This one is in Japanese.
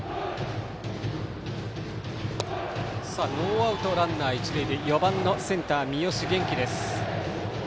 ノーアウトランナー、一塁で４番のセンター、三好元気です。